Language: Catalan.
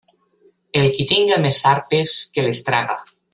El qui tinga més sarpes, que les traga.